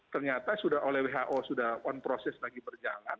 ternyata sudah oleh who sudah on process lagi berjalan